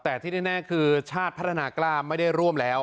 แต่ที่แน่คือชาติพัฒนากล้าไม่ได้ร่วมแล้ว